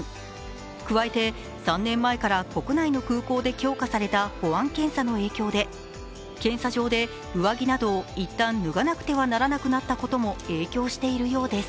加えて３年前から国内の空港で強化された保安検査の影響で検査場で上着などをいったん脱がなくてはならなくなったことも影響しているようです。